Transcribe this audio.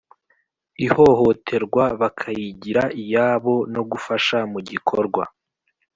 Ihohoterwa bakayigira iyabo no gufasha mu gikorwa